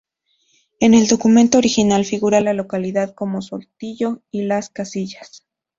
En el documento original figura la localidad como Sotillo y las Casillas.